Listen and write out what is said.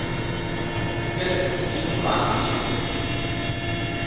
min gelek kursîyê Qur’anê çê kir.